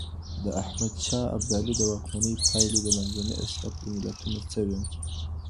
د احمد شاه ابدالي د واکمنۍ پایلې د منځنۍ اسیا پر ملتونو څه وې؟